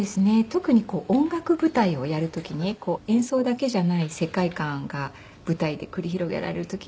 特に音楽舞台をやる時に演奏だけじゃない世界観が舞台で繰り広げられる時に